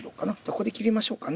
ここで切りましょうかね。